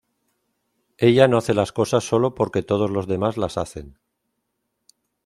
Ella no hace las cosas solo por que todos los demás las hacen.